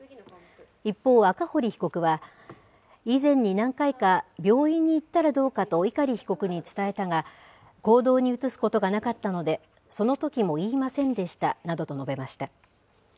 一方、赤堀被告は、以前に何回か病院に行ったらどうかと碇被告に伝えたが、行動に移すことがなかったので、そのときも言いませんでしたなどと述べました。